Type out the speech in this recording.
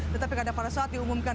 tetapi pada saat diumumkan